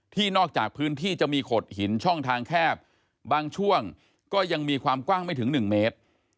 นอกจากพื้นที่จะมีขดหินช่องทางแคบบางช่วงก็ยังมีความกว้างไม่ถึง๑เมตร